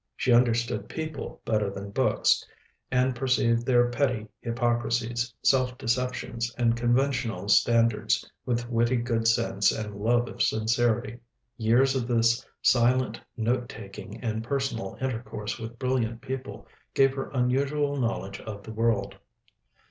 She understood people better than books, and perceived their petty hypocrisies, self deceptions, and conventional standards, with witty good sense and love of sincerity. Years of this silent note taking and personal intercourse with brilliant people gave her unusual knowledge of the world.